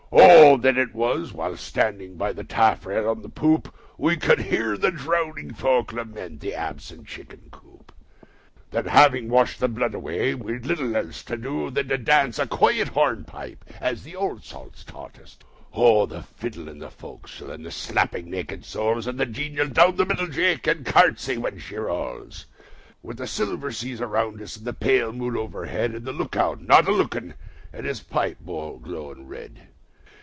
O! then it was (while standing by the taffrail on the poop) We could hear the drowning folk lament the absent chicken coop; Then, having washed the blood away, we'd little else to do Than to dance a quiet hornpipe as the old salts taught us to. O! the fiddle on the fo'c's'le, and the slapping naked soles, And the genial ' Down the middle Jake, and curtsey when she rolls! ' A BALLAD OF JOHN SILVER 73 With the silver seas around us and the pale moon overhead, And .the look out not a looking and his pipe bowl glowing red.